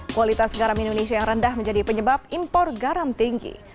kualitas garam indonesia yang rendah menjadi penyebab impor garam tinggi